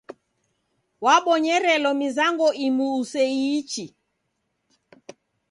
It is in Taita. Wabonyerelo mizango imu useiichi.